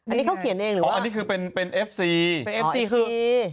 อันนี้เขาเขียนเองเหรออ๋ออันนี้คือเป็นเป็นเอฟซีเป็นเอฟซีคือ